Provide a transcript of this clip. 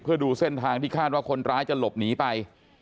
เพื่อดูเส้นทางที่คาดว่าคนร้ายจะหลบหนีไป